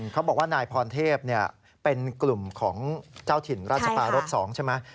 เขาบอกว่านายพรเทพเป็นกลุ่มของเจ้าถิ่นราชปารพ๒ใช่ไหม